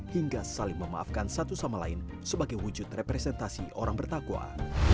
hingga saling memaafkan satu sama lain sebagai wujud representasi orang bertakwa